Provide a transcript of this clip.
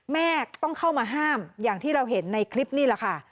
แม่ต้องเข้ามาห้ามอย่างที่เราเห็นในคลิปนี่แหละค่ะ